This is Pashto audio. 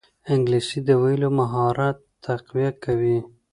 انګلیسي د ویلو مهارت تقویه کوي